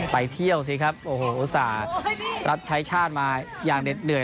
ไปเที่ยวสิครับโอ้โหอุตส่าห์รับใช้ชาติมาอย่างเด็ดเหนื่อย